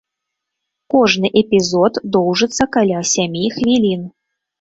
Кожны эпізод доўжыцца каля сямі хвілін.